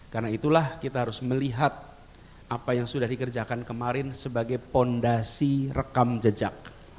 karena itulah kita harus melihat apa yang sudah dikerjakan kemarin sebagai fondasi rekam jejak